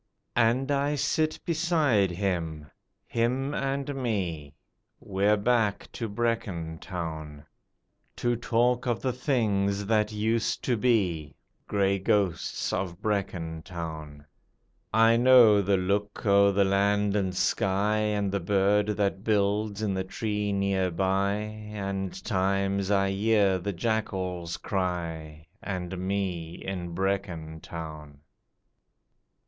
And I sit beside him him and me, (We're back to Brecon Town.) To talk of the things that used to be (Grey ghosts of Brecon Town); I know the look o' the land and sky, And the bird that builds in the tree near by, And times I hear the jackals cry, And me in Brecon Town.